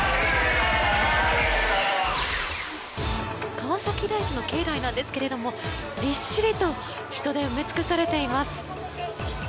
川崎大師の境内なんですがびっしりと人で埋め尽くされています。